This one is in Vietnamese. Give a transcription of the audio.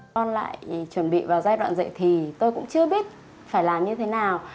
con lại chuẩn bị vào giai đoạn dậy thì tôi cũng chưa biết phải làm như thế nào